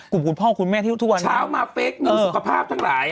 กลุ่มคุณพ่อคุณแม่ที่ทุกวันนี้เช้ามาเฟซมีสุขภาพทั้งหลาย